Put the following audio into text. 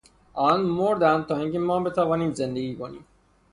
آنان مردند تا اینکه ما بتوانیم زندگی کنیم.